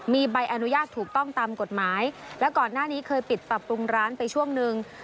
มีใบอนุญาตถูกต้องตามกฎหมายและก่อนหน้านี้เคยปิดปรับปรุงร้านไปช่วงหนึ่ง